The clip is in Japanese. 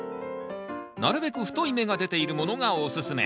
なるべく太い芽が出ているものがおすすめ。